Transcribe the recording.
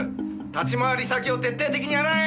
立ち回り先を徹底的に洗え！